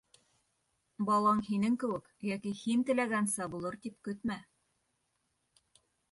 Балаң һинең кеүек йәки һин теләгәнсә булыр тип көтмә.